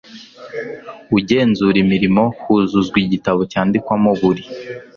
ugenzura imirimo huzuzwa igitabo cyandikwamo buri